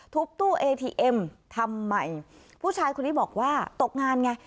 ตู้เอทีเอ็มทำไมผู้ชายคนนี้บอกว่าตกงานไง